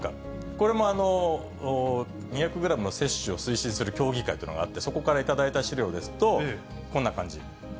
これも２００グラムの摂取を推進する協議会というのがあって、そこから頂いた資料ですと、こんな感じ。